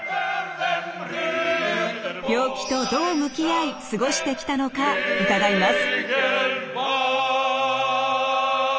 病気とどう向き合い過ごしてきたのか伺います。